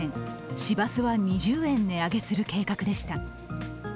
市バスは２０円値上げする計画でした。